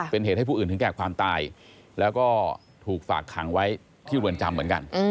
เป็นเหตุให้ผู้อื่นถึงแก่ความตายแล้วก็ถูกฝากขังไว้ที่เรือนจำเหมือนกัน